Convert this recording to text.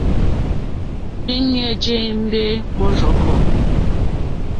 Òrzìɲɛ́ jé ěmbé mɔ́rzɔ̀kɔ̀.